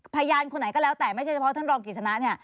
พยานคนไหนก็แล้วแต่ไม่เฉพาะท่านรองกฤษณะนี่